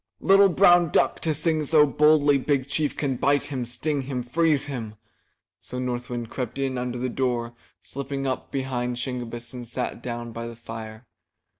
''Little brown duck to sing so boldly! Big Chief can bite him, sting him, freeze him!" So North Wind crept in under the door, slipped up behind Shingebiss and sat down by the fire.